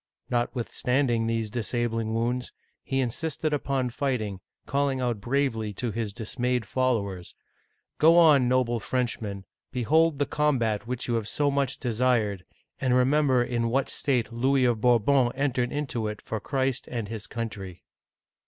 Notwithstanding these disabling wounds, he insisted upon fighting, calling out bravely to his dismayed followers, " Go on, noble Frenchmen, behold the combat which you have so much desired, and remember in what state Louis of Bourbon entered into it for Christ and his country